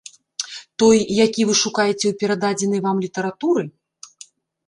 Той, які вы шукаеце ў перададзенай вам літаратуры?